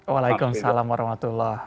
waalaikumsalam warahmatullahi wabarakatuh